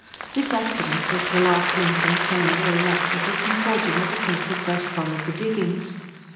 This accident was the last link in a chain of ill luck that had been forging ever since he first followed the diggings.